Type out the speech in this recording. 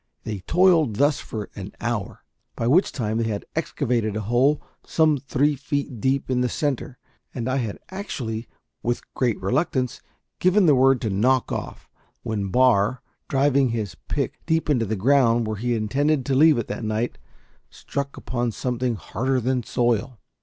They toiled thus for an hour, by which time they had excavated a hole some three feet deep in the centre, and I had actually, with great reluctance, given the word to knock off, when Barr, driving his pick deep into the ground, where he intended to leave it that night, struck upon something harder than soil.